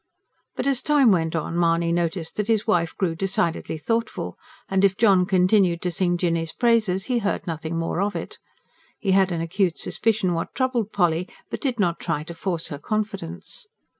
But as time went on Mahony noticed that his wife grew decidedly thoughtful; and if John continued to sing Jinny's praises, he heard nothing more of it. He had an acute suspicion what troubled Polly; but did not try to force her confidence.